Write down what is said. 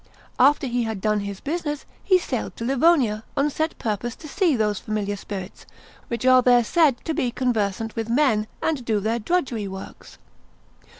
After he had done his business, he sailed to Livonia, on set purpose to see those familiar spirits, which are there said to be conversant with men, and do their drudgery works.